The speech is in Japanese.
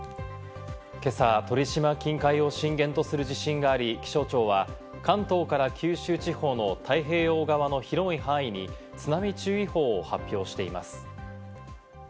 今朝、鳥島近海を震源とする地震があり、気象庁は関東から九州地方の太平洋側の広い範囲に津波注意報を発表しています。